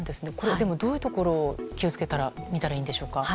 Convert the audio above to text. でも、どういうところを見たらいいんでしょうか。